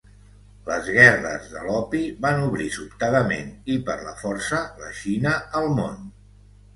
Les guerres de l'opi van obrir sobtadament i per la força la Xina al món.